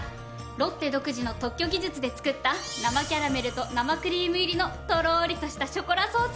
ロッテ独自の特許技術で作った生キャラメルと生クリーム入りのとろりとしたショコラソース。